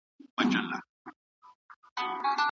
زه به سبا د سبا لپاره د تمرينونو ترسره کول کوم وم.